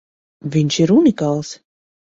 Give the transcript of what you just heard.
Viņš ir unikāls!